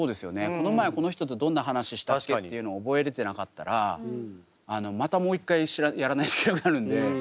この前この人とどんな話したっけっていうのを覚えれてなかったらまたもう一回やらないといけなくなるんで。